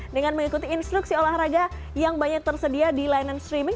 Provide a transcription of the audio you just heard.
dengan mengikuti instruksi olahraga yang banyak tersedia di layanan streaming